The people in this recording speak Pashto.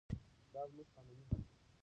دا زموږ قانوني حق دی.